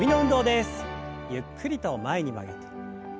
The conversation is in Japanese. ゆっくりと前に曲げて。